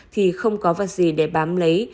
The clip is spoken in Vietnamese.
thì không có vật gì để bám lấy